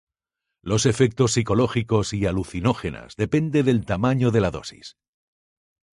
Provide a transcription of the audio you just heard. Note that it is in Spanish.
Los efectos psicológicos y alucinógenas dependen del tamaño de la dosis.